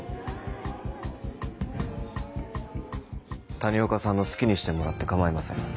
谷岡さんの好きにしてもらって構いません。